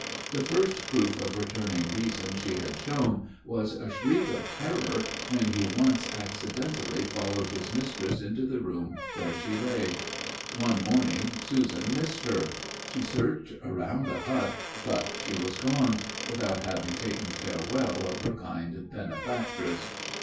The first proof of returning reason she had shown, was a shriek of terror when he once accidentally followed his mistress into the room where she lay. One morning Susan missed her; she searched around the hut, but she was gone, without having taken farewell of her kind benefactress.